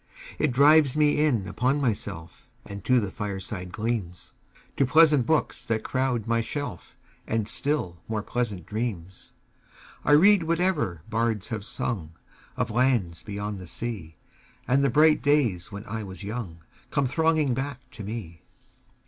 It drives me in upon myself 5 And to the fireside gleams, To pleasant books that crowd my shelf, And still more pleasant dreams. I read whatever bards have sung Of lands beyond the sea, 10 And the bright days when I was young Come thronging back to me.